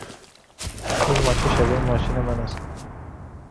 این ماشین شبیه ماشین من است.